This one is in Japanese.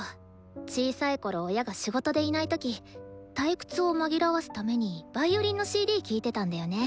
小さいころ親が仕事でいない時退屈を紛らわすためにヴァイオリンのＣＤ聴いてたんだよね。